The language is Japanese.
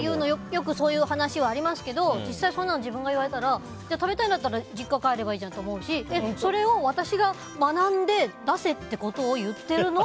よくそういう話はありますけど実際、自分がそんなの言われたら食べたいんだったら実家に帰ればいいじゃんって思うしそれを私が学んで出せってことを言ってるの？